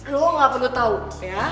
lo gak perlu tau ya